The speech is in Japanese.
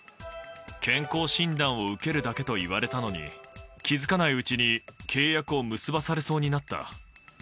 健康診断を受けるだけと言われたのに、気付かないうちに契約を結ばされそうになった。